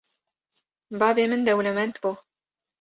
Bavê min dewlemend bû